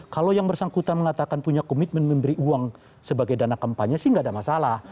kalau yang bersangkutan mengatakan punya komitmen memberi uang sebagai dana kampanye sih nggak ada masalah